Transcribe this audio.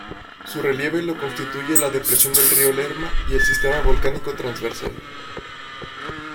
Su relieve lo constituye la depresión del Río Lerma y el sistema volcánico transversal.